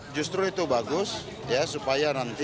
justru itu bagus ya supaya nanti